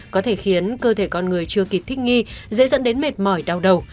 có thể khiến cơ thể con người chưa kịp thích nghi dễ dẫn đến mệt mỏi đau đầu